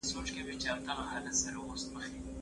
سياسي شعور بايد لوړ سي.